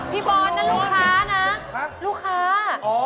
พี่บอลนะลูกค้านะลูกค้า